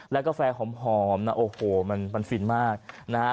และกาแฟหอมนะโอ้โหมันฟินมากนะฮะ